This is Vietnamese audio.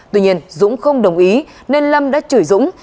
tuy nhiên dũng không đồng ý nên lâm đã chửi dũng